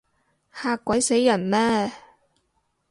嚇鬼死人咩？